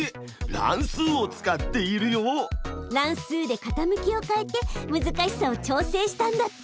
乱数でかたむきを変えて難しさを調整したんだって！